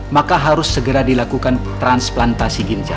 maka harus segera dilakukan transplantasi ginjal